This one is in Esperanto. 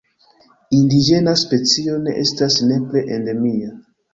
Indiĝena specio ne estas nepre endemia.